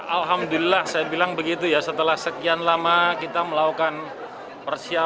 alhamdulillah saya bilang begitu ya setelah sekian lama kita melakukan persiapan